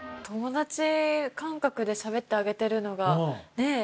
友達感覚でしゃべってあげてるのがね